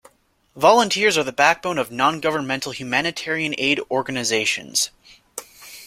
Volunteers are the backbone of non-governmental humanitarian aid organizations.